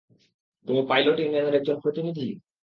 তুমি পাইলট ইউনিয়নের একজন প্রতিনিধি?